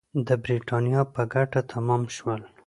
د برېټانیا په ګټه تمام شول.